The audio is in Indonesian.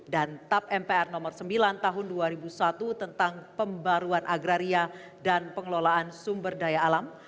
dan tap mpr nomor sembilan tahun dua ribu satu tentang pembaruan agraria dan pengelolaan sumber daya alam